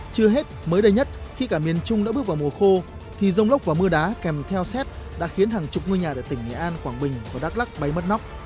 chưa hết mới đây nhất khi cả miền trung đã bước vào mùa khô thì rông lốc và mưa đá kèm theo xét đã khiến hàng chục ngôi nhà tại tỉnh nghệ an quảng bình và đắk lắc bay mất nóc